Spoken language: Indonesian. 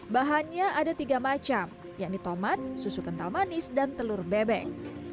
bahannya ada tiga macam yakni tomat susu kental manis dan telur bebek